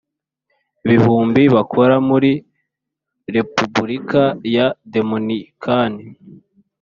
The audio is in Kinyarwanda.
bihumbi bakora muri Repubulika ya Dominikani